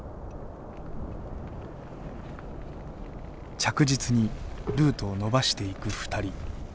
着実にルートを延ばしていく２人。